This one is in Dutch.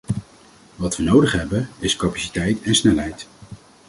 Wat we nodig hebben, is capaciteit en snelheid.